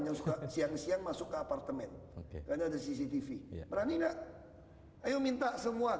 yang suka siang siang masuk ke apartemen karena ada cctv berani enggak ayo minta semua